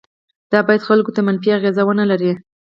دا باید خلکو ته منفي اغیز ونه لري.